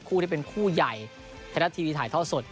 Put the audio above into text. คู่ที่เป็นคู่ใหญ่ไทยรัฐทีวีถ่ายท่อสด